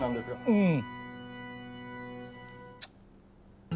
うん。